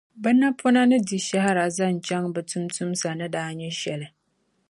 Bɛ napɔna ni di shɛhira, n-zaŋ chaŋ bɛ tuuntumsa ni daa nyɛ shɛli.